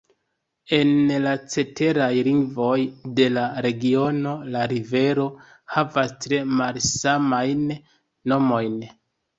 En la ceteraj lingvoj de la regiono la rivero havas tre malsamajn nomojn.